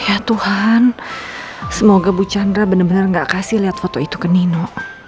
ya tuhan semoga bu chandra benar benar gak kasih lihat foto itu ke nino